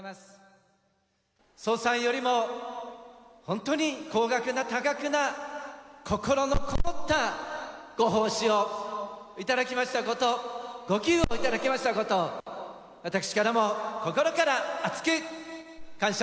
総裁よりも本当に高額な多額な心のこもったご奉仕を頂きましたこと、ご寄付を頂きましたこと、私からも心から厚く感謝